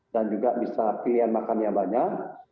dan juga bisa pilihan makannya banyak